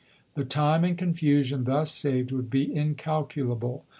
The time and confusion thus saved would be incalculable.